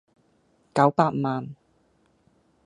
九百萬